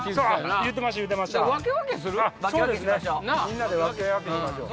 みんなでわけわけしましょう。